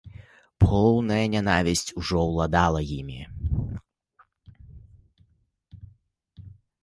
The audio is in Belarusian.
Поўная нянавісць ужо ўладала імі.